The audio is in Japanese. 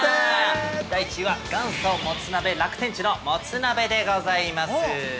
第１位は、元祖もつ鍋楽天地のもつ鍋でございます。